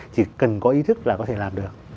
chỉ cần có ý thức là có thể làm được